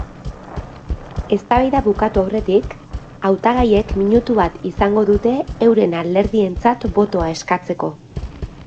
Eztabaida bukatu aurretik, hautagaiek minutu bat izango dute euren alderdientzat botoa eskatzeko.